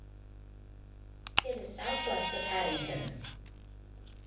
It is south-west of Haddington.